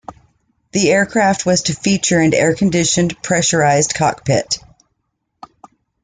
The aircraft was to feature an air-conditioned pressurized cockpit.